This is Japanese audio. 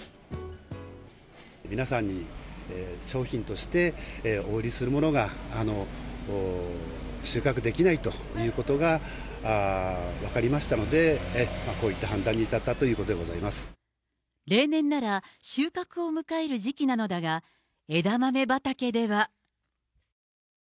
皆さんに商品としてお売りするものが収穫できないということが分かりましたので、こういった判断に至ったということでござい例年なら収穫を迎える時期なのだが、枝豆畑では。